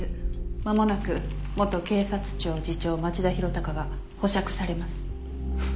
間もなく元警察庁次長町田博隆が保釈されます。